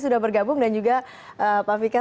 sudah bergabung dan juga pak fikar